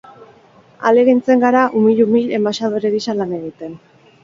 Ahalegintzen gara umil-umil enbaxadore gisa lan egiten.